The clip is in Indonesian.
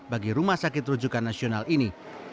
bagi rumah sakit rujukan nasional ini